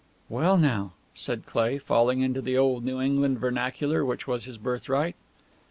"Well, now!" said Cleigh, falling into the old New England vernacular which was his birthright.